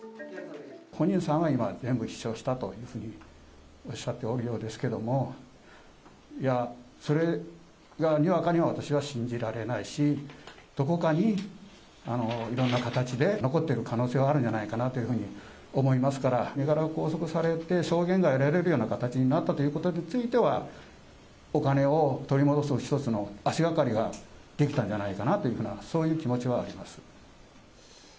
本人さんは今、全部使用したとおっしゃっておるようですけれども、いや、それがにわかには私は信じられないし、どこかに、いろんな形で残っている可能性はあるんじゃないかなというふうに思いますから、身柄が拘束されて、証言が得られるような形になったということについては、お金を取り戻す一つの足がかりができたんじゃないかなというふうな、そういう気持ちはあります。